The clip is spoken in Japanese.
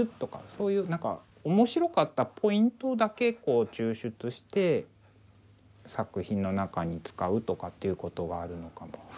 そういう面白かったポイントだけ抽出して作品の中に使うとかっていうことがあるのかも。